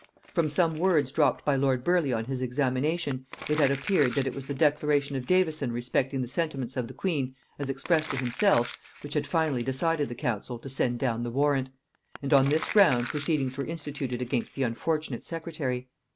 From some words dropped by lord Burleigh on his examination, it had appeared that it was the declaration of Davison respecting the sentiments of the queen, as expressed to himself, which had finally decided the council to send down the warrant; and on this ground proceedings were instituted against the unfortunate secretary.